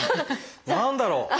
何だろう？